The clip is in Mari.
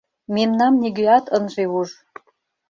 — Мемнам нигӧат ынже уж.